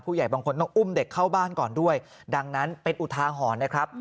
บางคนต้องอุ้มเด็กเข้าบ้านก่อนด้วยดังนั้นเป็นอุทาหรณ์นะครับ